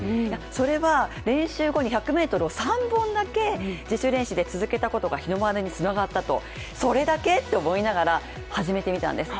それは練習後に１００ｍを３本だけ自主練習で続けたことが日の丸につながったとそれだけ？と思いながら始めてみたんです。